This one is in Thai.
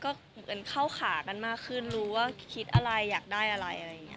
ก็เหมือนเข้าขากันมากขึ้นรู้ว่าคิดอะไรอยากได้อะไรอะไรอย่างนี้